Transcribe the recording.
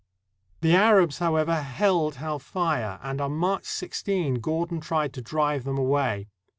The Arabs, however, held Halfaya, and on March i6 Gordon tried to drive them away.